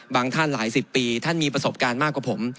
ท่านหลายสิบปีท่านมีประสบการณ์มากกว่าผม